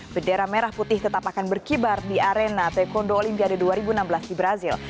bendera merah putih tetap akan berkibar di arena taekwondo olimpiade dua ribu enam belas di brazil